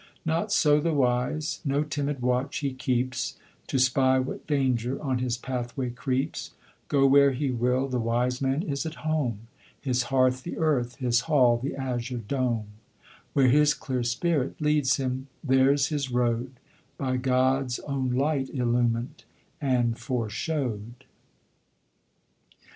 Not so the wise: no timid watch he keeps To spy what danger on his pathway creeps; Go where he will the wise man is at home, His hearth the earth, his hall the azure dome; Where his clear spirit leads him, there's his road, By God's own light illumined and foreshowed."